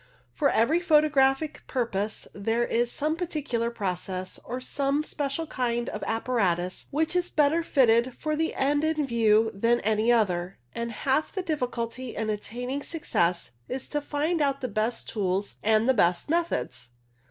For every photographic purpose there is some particular process or some special kind of apparatus which is better fitted for the end in view than any other, and half the difficulty in attaining success is to find out the best tools and the best methods.